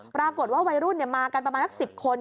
ปรากฏว่าวัยรุ่นเนี่ยมากันประมาณสัก๑๐คน